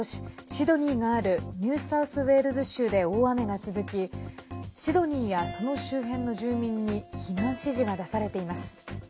シドニーがあるニューサウスウェールズ州で大雨が続きシドニーやその周辺の住民に避難指示が出されています。